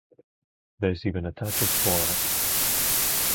There's even a touch of Borat.